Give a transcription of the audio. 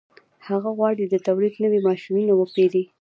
هغه غواړي د تولید نوي ماشینونه وپېري